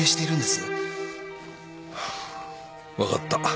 分かった。